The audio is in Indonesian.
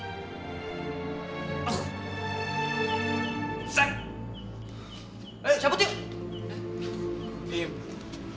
eh cabut yuk